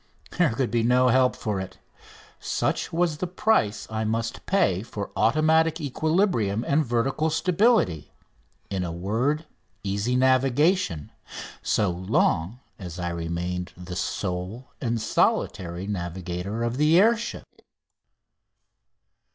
There could be no help for it. Such was the price I must pay for automatic equilibrium and vertical stability in a word, easy navigation so long as I remained the sole and solitary navigator of the air ship.